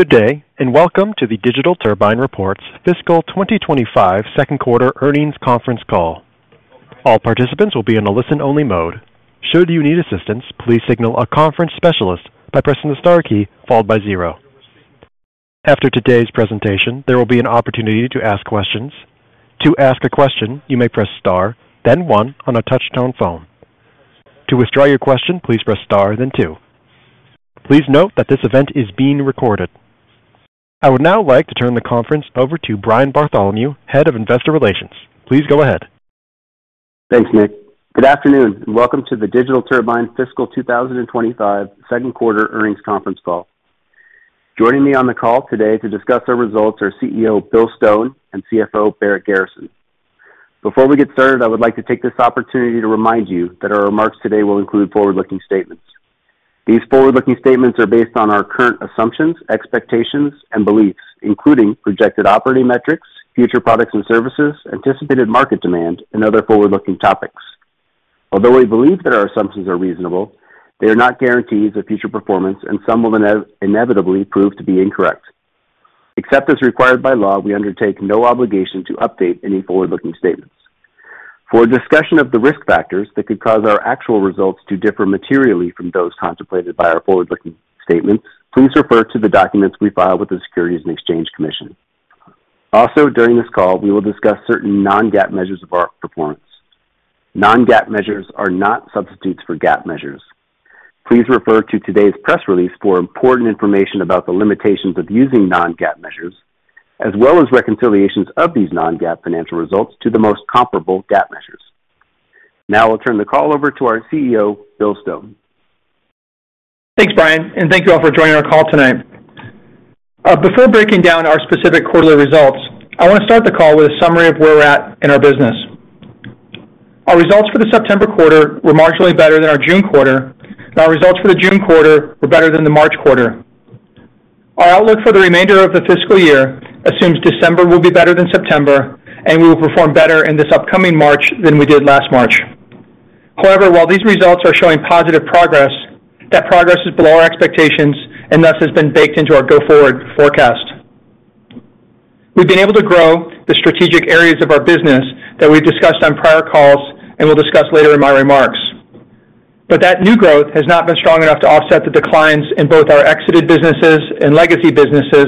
Good day, and welcome to the Digital Turbine Reports Fiscal 2025 second quarter earnings conference call. All participants will be in a listen-only mode. Should you need assistance, please signal a conference specialist by pressing the star key followed by zero. After today's presentation, there will be an opportunity to ask questions. To ask a question, you may press star, then one on a touch-tone phone. To withdraw your question, please press star, then two. Please note that this event is being recorded. I would now like to turn the conference over to Brian Bartholomew, Head of Investor Relations. Please go ahead. Thanks, Nick. Good afternoon, and welcome to the Digital Turbine Fiscal 2025 second quarter earnings conference call. Joining me on the call today to discuss our results are CEO Bill Stone and CFO Barrett Garrison. Before we get started, I would like to take this opportunity to remind you that our remarks today will include forward-looking statements. These forward-looking statements are based on our current assumptions, expectations, and beliefs, including projected operating metrics, future products and services, anticipated market demand, and other forward-looking topics. Although we believe that our assumptions are reasonable, they are not guarantees of future performance, and some will inevitably prove to be incorrect. Except as required by law, we undertake no obligation to update any forward-looking statements. For discussion of the risk factors that could cause our actual results to differ materially from those contemplated by our forward-looking statements, please refer to the documents we file with the Securities and Exchange Commission. Also, during this call, we will discuss certain non-GAAP measures of our performance. Non-GAAP measures are not substitutes for GAAP measures. Please refer to today's press release for important information about the limitations of using non-GAAP measures, as well as reconciliations of these non-GAAP financial results to the most comparable GAAP measures. Now I'll turn the call over to our CEO, Bill Stone. Thanks, Brian, and thank you all for joining our call tonight. Before breaking down our specific quarterly results, I want to start the call with a summary of where we're at in our business. Our results for the September quarter were marginally better than our June quarter, and our results for the June quarter were better than the March quarter. Our outlook for the remainder of the fiscal year assumes December will be better than September, and we will perform better in this upcoming March than we did last March. However, while these results are showing positive progress, that progress is below our expectations and thus has been baked into our go-forward forecast. We've been able to grow the strategic areas of our business that we've discussed on prior calls and will discuss later in my remarks. But that new growth has not been strong enough to offset the declines in both our exited businesses and legacy businesses,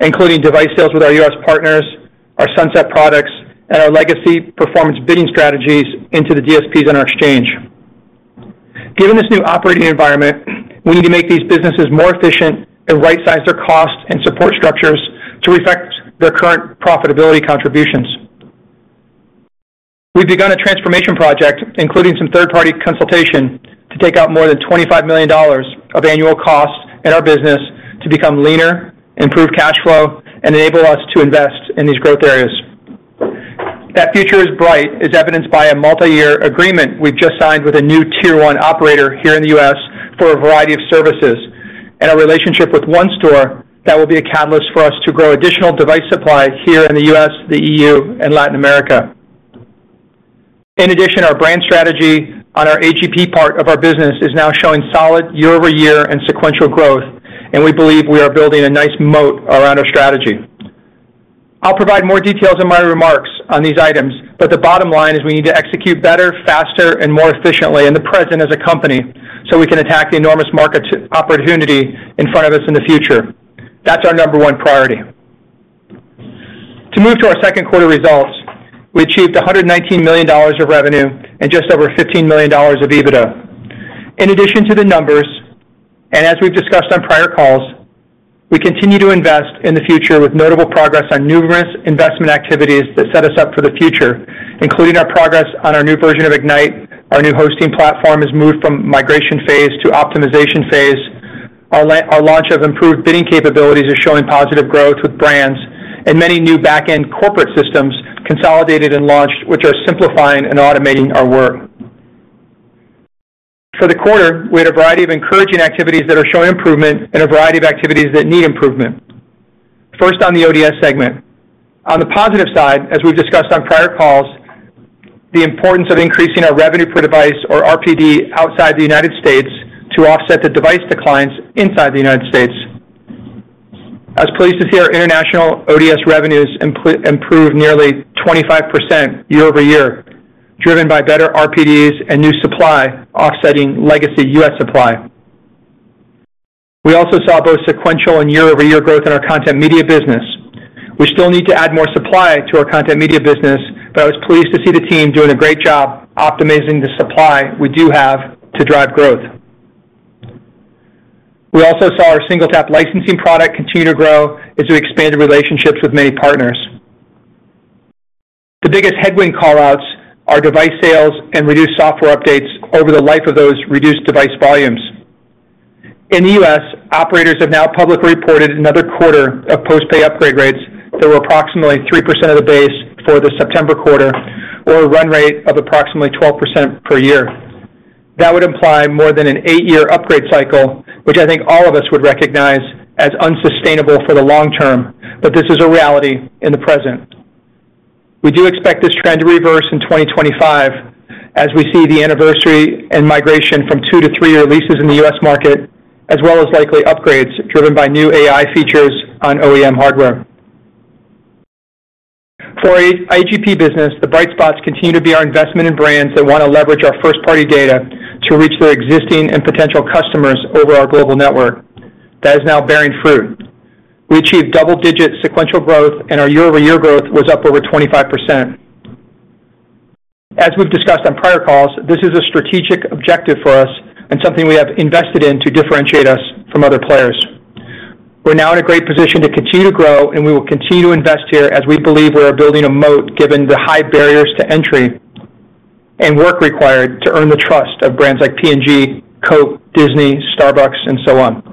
including device sales with our U.S. partners, our sunset products, and our legacy performance bidding strategies into the DSPs on our exchange. Given this new operating environment, we need to make these businesses more efficient and right-size their costs and support structures to reflect their current profitability contributions. We've begun a transformation project, including some third-party consultation, to take out more than $25 million of annual costs in our business to become leaner, improve cash flow, and enable us to invest in these growth areas. That future is bright, as evidenced by a multi-year agreement we've just signed with a new tier-one operator here in the U.S. for a variety of services and our relationship with ONE Store that will be a catalyst for us to grow additional device supply here in the U.S., the EU, and Latin America. In addition, our brand strategy on our AGP part of our business is now showing solid year-over-year and sequential growth, and we believe we are building a nice moat around our strategy. I'll provide more details in my remarks on these items, but the bottom line is we need to execute better, faster, and more efficiently in the present as a company so we can attack the enormous market opportunity in front of us in the future. That's our number one priority. To move to our second quarter results, we achieved $119 million of revenue and just over $15 million of EBITDA. In addition to the numbers, and as we've discussed on prior calls, we continue to invest in the future with notable progress on numerous investment activities that set us up for the future, including our progress on our new version of Ignite. Our new hosting platform has moved from migration phase to optimization phase. Our launch of improved bidding capabilities is showing positive growth with brands and many new back-end corporate systems consolidated and launched, which are simplifying and automating our work. For the quarter, we had a variety of encouraging activities that are showing improvement and a variety of activities that need improvement. First, on the ODS segment. On the positive side, as we've discussed on prior calls, the importance of increasing our revenue per device, or RPD, outside the United States to offset the device declines inside the United States. I was pleased to see our international ODS revenues improve nearly 25% year-over-year, driven by better RPDs and new supply offsetting legacy U.S. supply. We also saw both sequential and year-over-year growth in our content media business. We still need to add more supply to our content media business, but I was pleased to see the team doing a great job optimizing the supply we do have to drive growth. We also saw our SingleTap licensing product continue to grow as we expanded relationships with many partners. The biggest headwind callouts are device sales and reduced software updates over the life of those reduced device volumes. In the U.S., operators have now publicly reported another quarter of post-pay upgrade rates that were approximately 3% of the base for the September quarter, or a run rate of approximately 12% per year. That would imply more than an eight-year upgrade cycle, which I think all of us would recognize as unsustainable for the long term, but this is a reality in the present. We do expect this trend to reverse in 2025 as we see the anniversary and migration from two to three-year leases in the U.S. market, as well as likely upgrades driven by new AI features on OEM hardware. For our AGP business, the bright spots continue to be our investment in brands that want to leverage our first-party data to reach their existing and potential customers over our global network. That is now bearing fruit. We achieved double-digit sequential growth, and our year-over-year growth was up over 25%. As we've discussed on prior calls, this is a strategic objective for us and something we have invested in to differentiate us from other players. We're now in a great position to continue to grow, and we will continue to invest here as we believe we're building a moat given the high barriers to entry and work required to earn the trust of brands like P&G, Coke, Disney, Starbucks, and so on.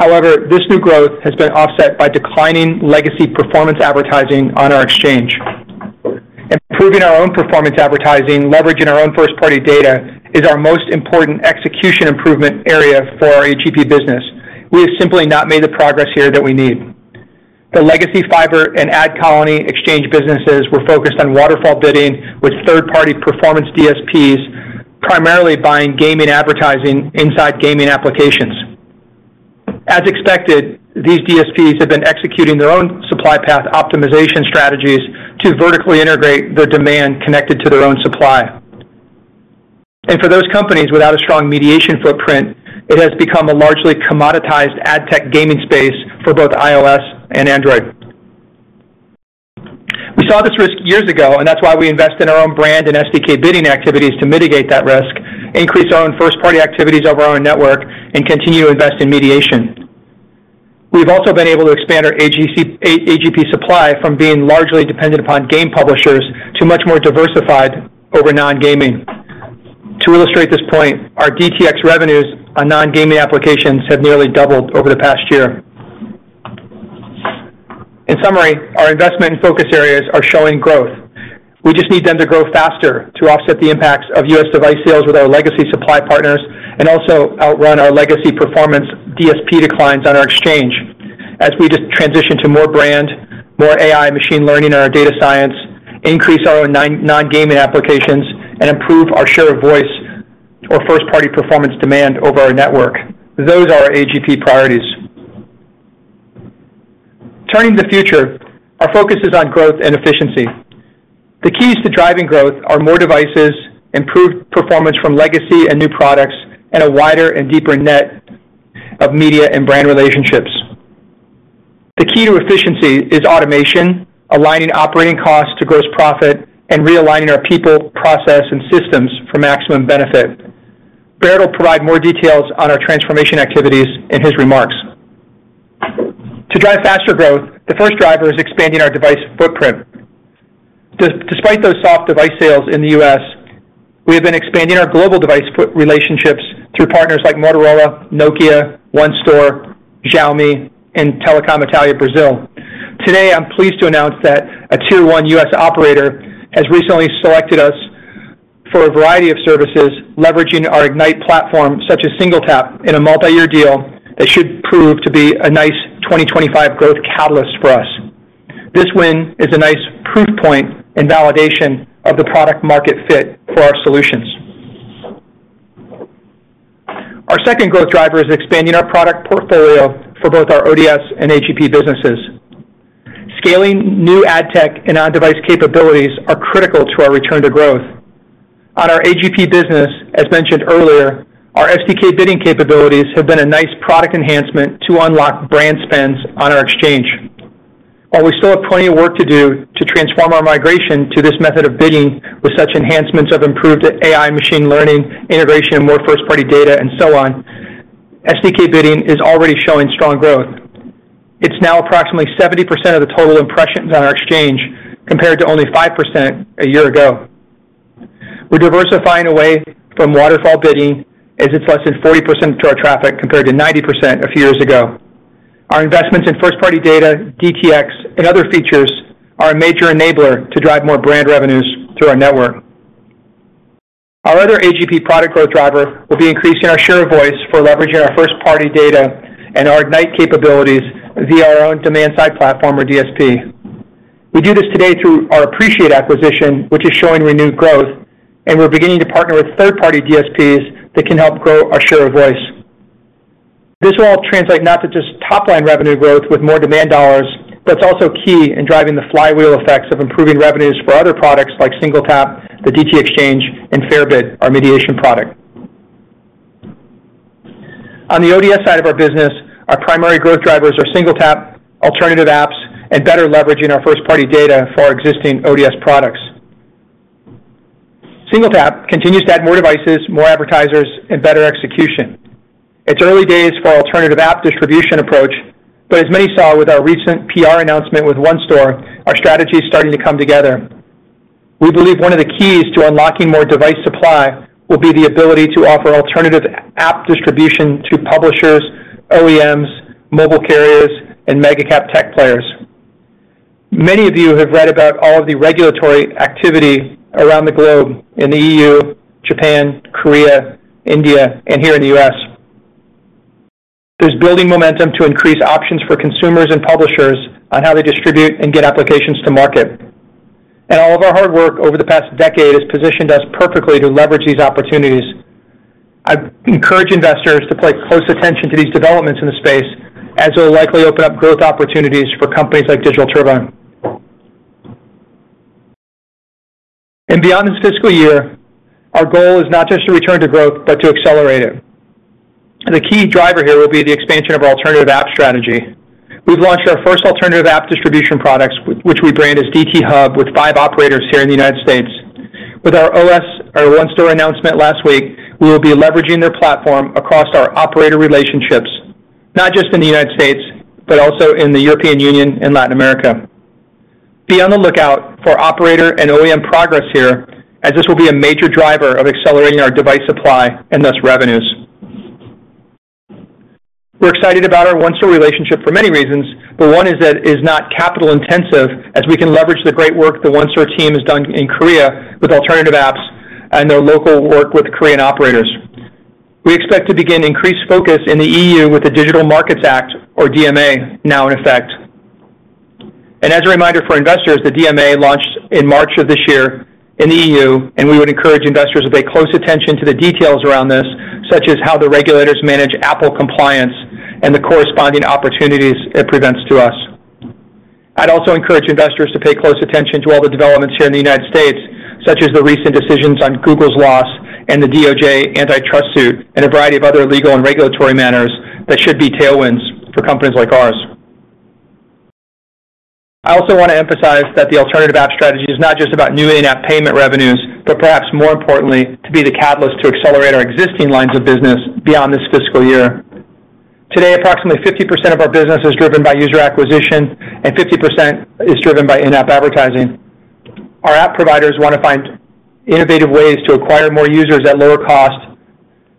However, this new growth has been offset by declining legacy performance advertising on our exchange. Improving our own performance advertising, leveraging our own first-party data, is our most important execution improvement area for our AGP business. We have simply not made the progress here that we need. The legacy Fyber and AdColony exchange businesses were focused on waterfall bidding with third-party performance DSPs, primarily buying gaming advertising inside gaming applications. As expected, these DSPs have been executing their own supply path optimization strategies to vertically integrate the demand connected to their own supply. And for those companies without a strong mediation footprint, it has become a largely commoditized ad tech gaming space for both iOS and Android. We saw this risk years ago, and that's why we invest in our own brand and SDK bidding activities to mitigate that risk, increase our own first-party activities over our own network, and continue to invest in mediation. We've also been able to expand our AGP supply from being largely dependent upon game publishers to much more diversified over non-gaming. To illustrate this point, our DTX revenues on non-gaming applications have nearly doubled over the past year. In summary, our investment and focus areas are showing growth. We just need them to grow faster to offset the impacts of U.S. Device sales with our legacy supply partners and also outrun our legacy performance DSP declines on our exchange as we just transition to more brand, more AI machine learning in our data science, increase our own non-gaming applications, and improve our share of voice or first-party performance demand over our network. Those are our AGP priorities. Turning to the future, our focus is on growth and efficiency. The keys to driving growth are more devices, improved performance from legacy and new products, and a wider and deeper net of media and brand relationships. The key to efficiency is automation, aligning operating costs to gross profit, and realigning our people, process, and systems for maximum benefit. Barrett will provide more details on our transformation activities in his remarks. To drive faster growth, the first driver is expanding our device footprint. Despite those soft device sales in the U.S., we have been expanding our global device relationships through partners like Motorola, Nokia, ONE Store, Xiaomi, and Telecom Italia Brazil. Today, I'm pleased to announce that a tier-one U.S. operator has recently selected us for a variety of services, leveraging our Ignite platform such as SingleTap in a multi-year deal that should prove to be a nice 2025 growth catalyst for us. This win is a nice proof point and validation of the product-market fit for our solutions. Our second growth driver is expanding our product portfolio for both our ODS and AGP businesses. Scaling new ad tech and on-device capabilities are critical to our return to growth. On our AGP business, as mentioned earlier, our SDK bidding capabilities have been a nice product enhancement to unlock brand spends on our exchange. While we still have plenty of work to do to transform our migration to this method of bidding with such enhancements of improved AI machine learning integration and more first-party data and so on, SDK bidding is already showing strong growth. It's now approximately 70% of the total impressions on our exchange compared to only 5% a year ago. We're diversifying away from waterfall bidding as it's less than 40% of our traffic compared to 90% a few years ago. Our investments in first-party data, DTX, and other features are a major enabler to drive more brand revenues through our network. Our other AGP product growth driver will be increasing our share of voice for leveraging our first-party data and our Ignite capabilities via our own demand-side platform, or DSP. We do this today through our Appreciate acquisition, which is showing renewed growth, and we're beginning to partner with third-party DSPs that can help grow our share of voice. This will all translate not to just top-line revenue growth with more demand dollars, but it's also key in driving the flywheel effects of improving revenues for other products like SingleTap, the DT Exchange, and FairBid, our mediation product. On the ODS side of our business, our primary growth drivers are SingleTap, alternative apps, and better leveraging our first-party data for our existing ODS products. SingleTap continues to add more devices, more advertisers, and better execution. It's early days for our alternative app distribution approach, but as many saw with our recent PR announcement with ONE Store, our strategy is starting to come together. We believe one of the keys to unlocking more device supply will be the ability to offer alternative app distribution to publishers, OEMs, mobile carriers, and mega-cap tech players. Many of you have read about all of the regulatory activity around the globe in the EU, Japan, Korea, India, and here in the U.S. There's building momentum to increase options for consumers and publishers on how they distribute and get applications to market. And all of our hard work over the past decade has positioned us perfectly to leverage these opportunities. I encourage investors to pay close attention to these developments in the space, as it will likely open up growth opportunities for companies like Digital Turbine. And beyond this fiscal year, our goal is not just to return to growth, but to accelerate it. The key driver here will be the expansion of our alternative app strategy. We've launched our first alternative app distribution products, which we brand as DT Hub with five operators here in the United States. With our ODS, our ONE Store announcement last week, we will be leveraging their platform across our operator relationships, not just in the United States, but also in the European Union and Latin America. Be on the lookout for operator and OEM progress here, as this will be a major driver of accelerating our device supply and thus revenues. We're excited about our ONE Store relationship for many reasons, but one is that it is not capital-intensive, as we can leverage the great work the ONE Store team has done in Korea with alternative apps and their local work with Korean operators. We expect to begin increased focus in the EU with the Digital Markets Act, or DMA, now in effect. And as a reminder for investors, the DMA launched in March of this year in the EU, and we would encourage investors to pay close attention to the details around this, such as how the regulators manage Apple compliance and the corresponding opportunities it presents to us. I'd also encourage investors to pay close attention to all the developments here in the United States, such as the recent decisions on Google's loss and the DOJ antitrust suit, and a variety of other legal and regulatory matters that should be tailwinds for companies like ours. I also want to emphasize that the alternative app strategy is not just about new in-app payment revenues, but perhaps more importantly, to be the catalyst to accelerate our existing lines of business beyond this fiscal year. Today, approximately 50% of our business is driven by user acquisition, and 50% is driven by in-app advertising. Our app providers want to find innovative ways to acquire more users at lower cost,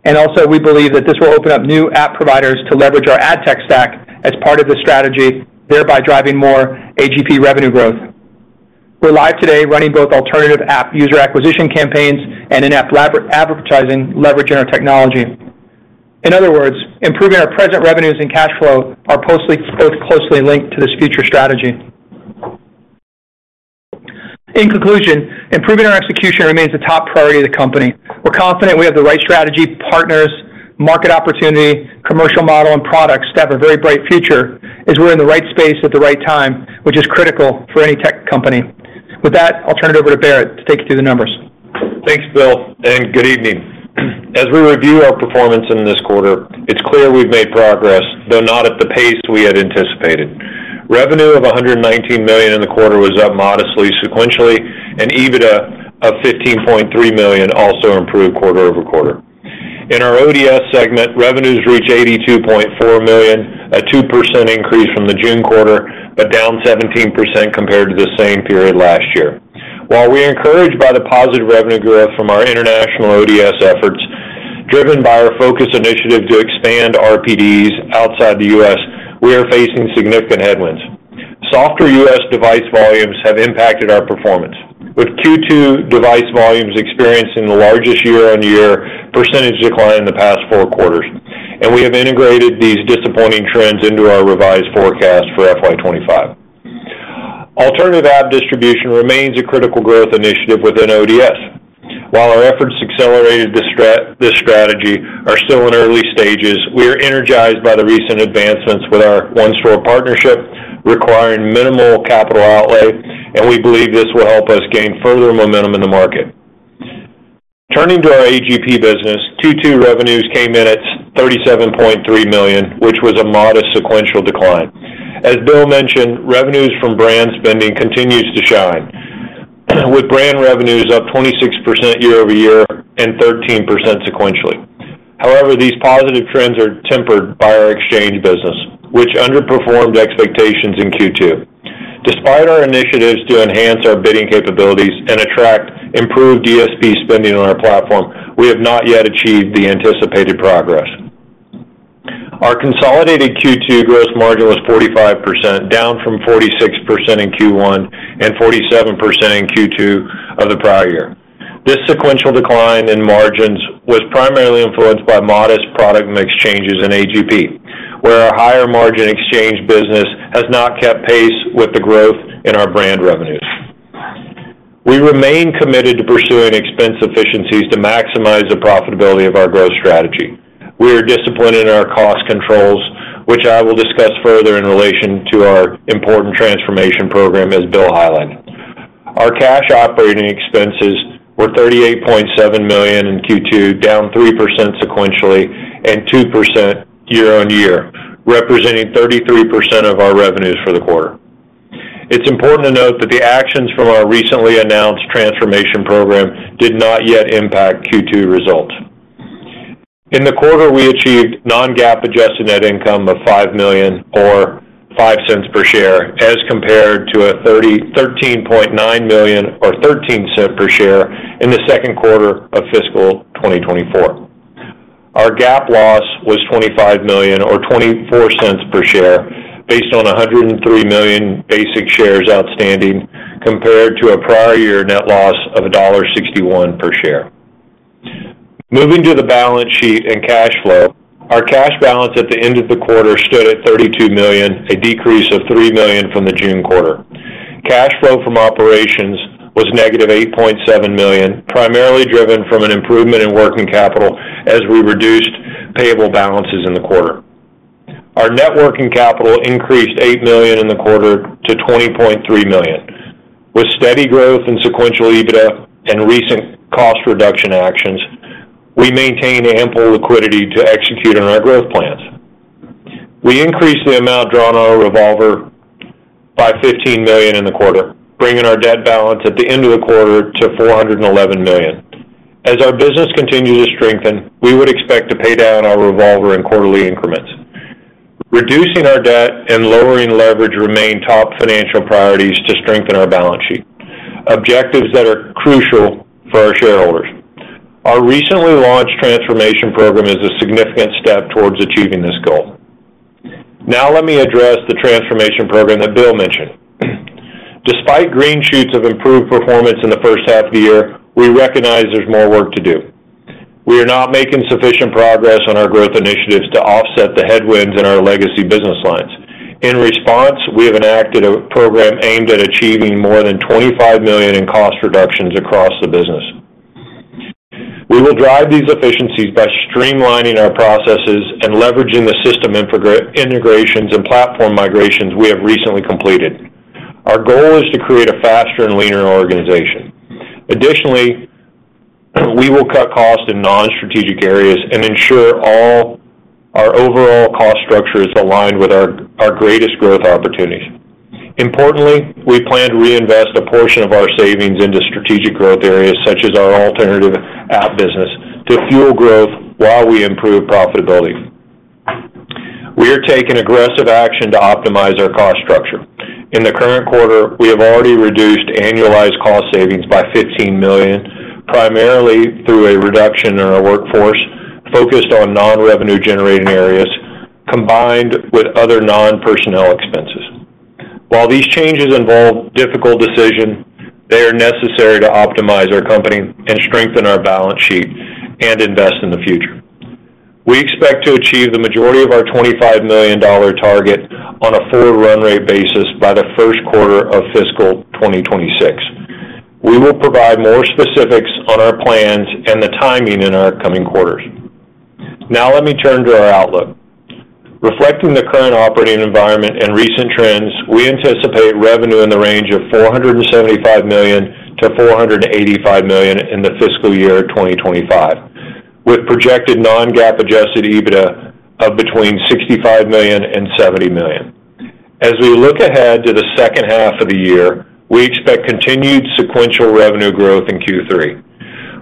and also we believe that this will open up new app providers to leverage our ad tech stack as part of the strategy, thereby driving more AGP revenue growth. We're live today running both alternative app user acquisition campaigns and in-app advertising leveraging our technology. In other words, improving our present revenues and cash flow are both closely linked to this future strategy. In conclusion, improving our execution remains the top priority of the company. We're confident we have the right strategy, partners, market opportunity, commercial model, and products that have a very bright future as we're in the right space at the right time, which is critical for any tech company. With that, I'll turn it over to Barrett to take you through the numbers. Thanks, Bill, and good evening. As we review our performance in this quarter, it's clear we've made progress, though not at the pace we had anticipated. Revenue of $119 million in the quarter was up modestly sequentially, and EBITDA of $15.3 million also improved quarter over quarter. In our ODS segment, revenues reach $82.4 million, a 2% increase from the June quarter, but down 17% compared to the same period last year. While we are encouraged by the positive revenue growth from our international ODS efforts, driven by our focus initiative to expand RPDs outside the U.S., we are facing significant headwinds. Softer U.S. device volumes have impacted our performance, with Q2 device volumes experiencing the largest year-on-year percentage decline in the past four quarters, and we have integrated these disappointing trends into our revised forecast for FY 2025. Alternative app distribution remains a critical growth initiative within ODS. While our efforts to accelerate this strategy are still in early stages, we are energized by the recent advancements with our ONE Store partnership, requiring minimal capital outlay, and we believe this will help us gain further momentum in the market. Turning to our AGP business, Q2 revenues came in at $37.3 million, which was a modest sequential decline. As Bill mentioned, revenues from brand spending continues to shine, with brand revenues up 26% year-over-year and 13% sequentially. However, these positive trends are tempered by our exchange business, which underperformed expectations in Q2. Despite our initiatives to enhance our bidding capabilities and attract improved DSP spending on our platform, we have not yet achieved the anticipated progress. Our consolidated Q2 gross margin was 45%, down from 46% in Q1 and 47% in Q2 of the prior year. This sequential decline in margins was primarily influenced by modest product mix changes in AGP, where our higher margin exchange business has not kept pace with the growth in our brand revenues. We remain committed to pursuing expense efficiencies to maximize the profitability of our growth strategy. We are disciplined in our cost controls, which I will discuss further in relation to our important transformation program, as Bill highlighted. Our cash operating expenses were $38.7 million in Q2, down 3% sequentially and 2% year-on-year, representing 33% of our revenues for the quarter. It's important to note that the actions from our recently announced transformation program did not yet impact Q2 results. In the quarter, we achieved non-GAAP adjusted net income of $5 million, or $0.05 per share, as compared to a $13.9 million, or $0.13 per share, in the second quarter of fiscal 2024. Our GAAP loss was $25 million, or $0.24 per share, based on 103 million basic shares outstanding, compared to a prior year net loss of $1.61 per share. Moving to the balance sheet and cash flow, our cash balance at the end of the quarter stood at $32 million, a decrease of $3 million from the June quarter. Cash flow from operations was negative $8.7 million, primarily driven from an improvement in working capital as we reduced payable balances in the quarter. Our net working capital increased $8 million in the quarter to $20.3 million. With steady growth in sequential EBITDA and recent cost reduction actions, we maintained ample liquidity to execute on our growth plans. We increased the amount drawn on our revolver by $15 million in the quarter, bringing our debt balance at the end of the quarter to $411 million. As our business continues to strengthen, we would expect to pay down our revolver in quarterly increments. Reducing our debt and lowering leverage remain top financial priorities to strengthen our balance sheet, objectives that are crucial for our shareholders. Our recently launched transformation program is a significant step towards achieving this goal. Now, let me address the transformation program that Bill mentioned. Despite green shoots of improved performance in the first half of the year, we recognize there's more work to do. We are not making sufficient progress on our growth initiatives to offset the headwinds in our legacy business lines. In response, we have enacted a program aimed at achieving more than $25 million in cost reductions across the business. We will drive these efficiencies by streamlining our processes and leveraging the system integrations and platform migrations we have recently completed. Our goal is to create a faster and leaner organization. Additionally, we will cut costs in non-strategic areas and ensure our overall cost structure is aligned with our greatest growth opportunities. Importantly, we plan to reinvest a portion of our savings into strategic growth areas, such as our alternative app business, to fuel growth while we improve profitability. We are taking aggressive action to optimize our cost structure. In the current quarter, we have already reduced annualized cost savings by $15 million, primarily through a reduction in our workforce focused on non-revenue-generating areas, combined with other non-personnel expenses. While these changes involve difficult decisions, they are necessary to optimize our company and strengthen our balance sheet and invest in the future. We expect to achieve the majority of our $25 million target on a full run rate basis by the first quarter of fiscal 2026. We will provide more specifics on our plans and the timing in our coming quarters. Now, let me turn to our outlook. Reflecting the current operating environment and recent trends, we anticipate revenue in the range of $475 million-$485 million in the fiscal year 2025, with projected non-GAAP Adjusted EBITDA of between $65 million and $70 million. As we look ahead to the second half of the year, we expect continued sequential revenue growth in Q3.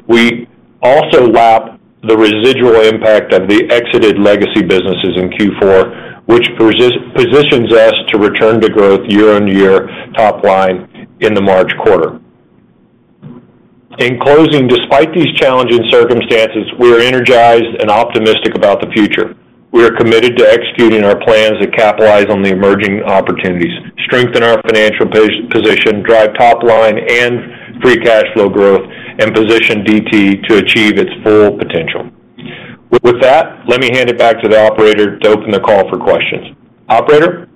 We also lap the residual impact of the exited legacy businesses in Q4, which positions us to return to growth year-on-year top line in the March quarter. In closing, despite these challenging circumstances, we are energized and optimistic about the future. We are committed to executing our plans that capitalize on the emerging opportunities, strengthen our financial position, drive top line and free cash flow growth, and position DT to achieve its full potential. With that, let me hand it back to the operator to open the call for questions. Operator?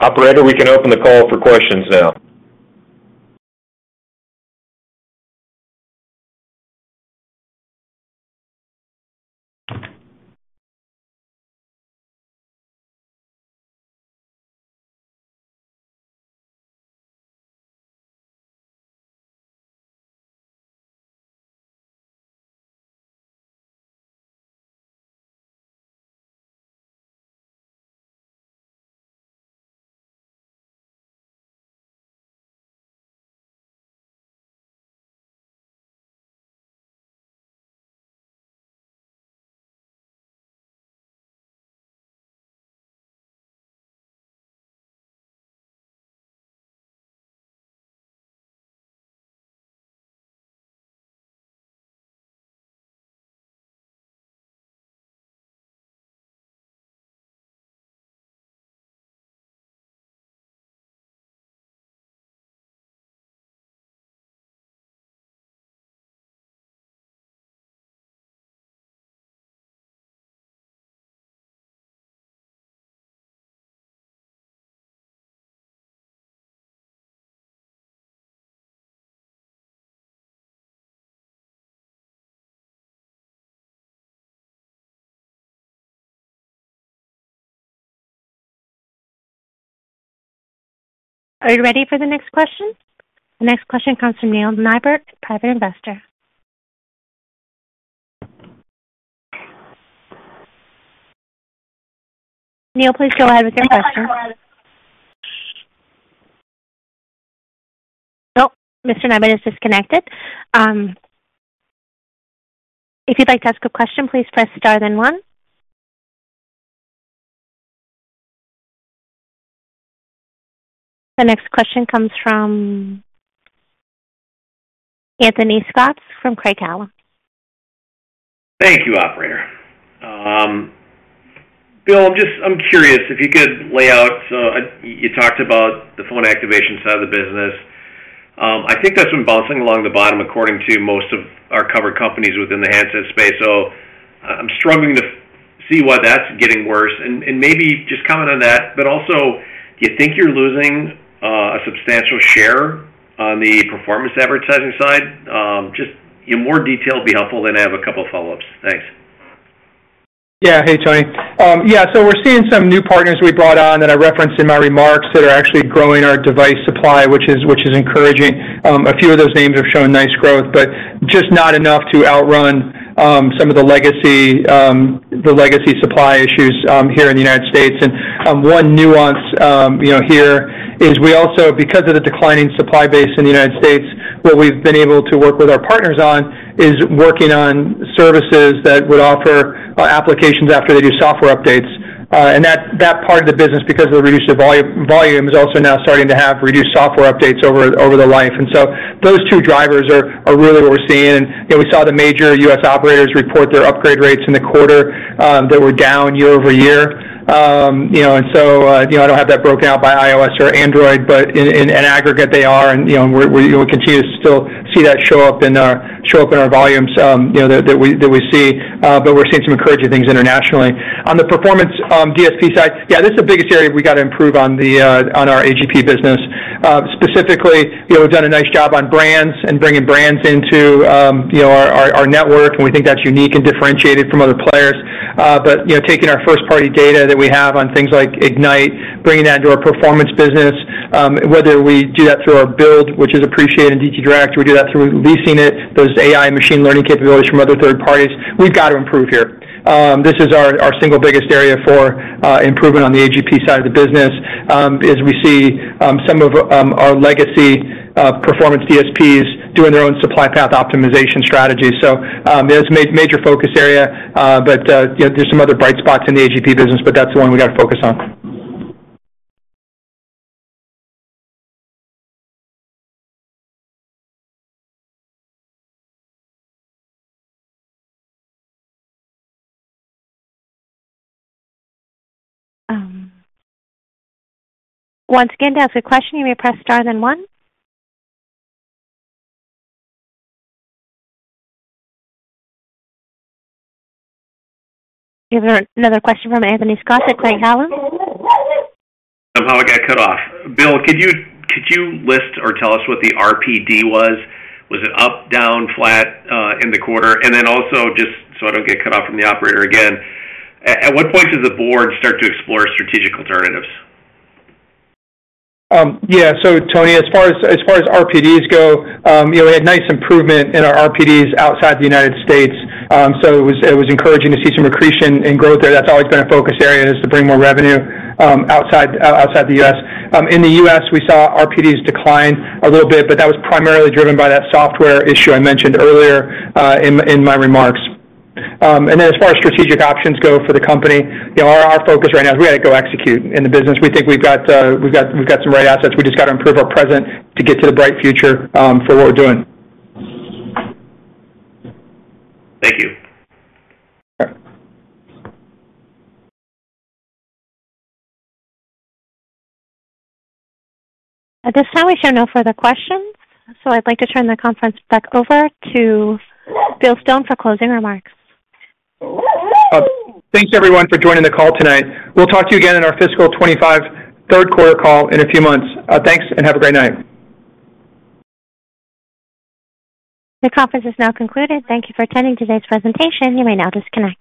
Operator, we can open the call for questions now. Are you ready for the next question? The next question comes from Neil Nyberg, private investor. Neil, please go ahead with your question. Oh, Mr. Nyberg is disconnected. If you'd like to ask a question, please press star then one. The next question comes from Anthony Stoss from Craig-Hallum. Thank you, Operator. Bill, I'm curious if you could lay out, so you talked about the phone activation side of the business. I think that's been bouncing along the bottom according to most of our covered companies within the handset space, so I'm struggling to see why that's getting worse, and maybe just comment on that, but also, do you think you're losing a substantial share on the performance advertising side? Just more detail would be helpful, then I have a couple of follow-ups. Thanks. Yeah. Hey, Tony. Yeah, so we're seeing some new partners we brought on that I referenced in my remarks that are actually growing our device supply, which is encouraging. A few of those names have shown nice growth, but just not enough to outrun some of the legacy supply issues here in the United States. And one nuance here is we also, because of the declining supply base in the United States, what we've been able to work with our partners on is working on services that would offer applications after they do software updates. And that part of the business, because of the reduced volume, is also now starting to have reduced software updates over the life. And so those two drivers are really what we're seeing. And we saw the major U.S. operators report their upgrade rates in the quarter that were down year-over-year. And so I don't have that broken out by iOS or Android, but in aggregate, they are. And we'll continue to still see that show up in our volumes that we see, but we're seeing some encouraging things internationally. On the performance DSP side, yeah, this is the biggest area we got to improve on our AGP business. Specifically, we've done a nice job on brands and bringing brands into our network, and we think that's unique and differentiated from other players, but taking our first-party data that we have on things like Ignite, bringing that into our performance business, whether we do that through our build, which is Appreciate and DT Direct, or we do that through leasing it, those AI machine learning capabilities from other third parties, we've got to improve here. This is our single biggest area for improvement on the AGP side of the business, as we see some of our legacy performance DSPs doing their own supply path optimization strategies, so that's a major focus area, but there's some other bright spots in the AGP business, but that's the one we got to focus on. Once again, to ask a question, you may press star then one. We have another question from Anthony Stoss at Craig-Hallum. I'm having to get cut off. Bill, could you list or tell us what the RPD was? Was it up, down, flat in the quarter? And then also, just so I don't get cut off from the operator again, at what point does the board start to explore strategic alternatives? Yeah. So, Tony, as far as RPDs go, we had nice improvement in our RPDs outside the United States. So it was encouraging to see some accretion and growth there. That's always been a focus area, is to bring more revenue outside the U.S. In the U.S., we saw RPDs decline a little bit, but that was primarily driven by that software issue I mentioned earlier in my remarks. And then as far as strategic options go for the company, our focus right now is we got to go execute in the business. We think we've got some right assets. We just got to improve our present to get to the bright future for what we're doing. Thank you. At this time, we have no further questions. So I'd like to turn the conference back over to Bill Stone for closing remarks. Thanks, everyone, for joining the call tonight. We'll talk to you again in our fiscal 2025 third-quarter call in a few months. Thanks, and have a great night. The conference is now concluded. Thank you for attending today's presentation. You may now disconnect.